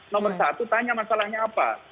nomor satu tanya masalahnya apa